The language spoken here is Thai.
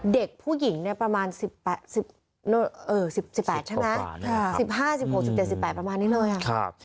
เด็กผู้หญิงประมาณ๑๕๑๖ประมาณนี้เลยค่ะ